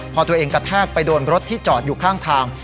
พอตัวเองกระแทกไปโดนรถที่จอดอยู่ข้างทาง